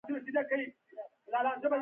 د ناروغ پښتورګي پیوند ډېر سخت دی.